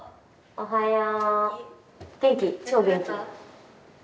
おはよう。